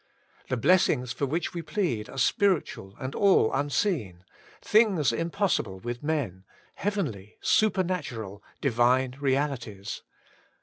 The blessings for which we plead are spiritual and all unseen; things im possible with men ; heavenly, supernatural, divine realities.